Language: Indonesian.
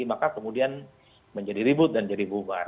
maka kemudian menjadi ribut dan jadi bubar